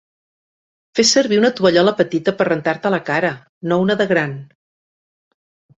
Fes servir una tovallola petita per rentar-te la cara, no una de gran